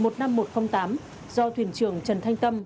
do thuyền trưởng trần thanh tâm